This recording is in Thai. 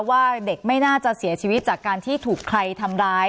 ว่าเด็กไม่น่าจะเสียชีวิตจากการที่ถูกใครทำร้าย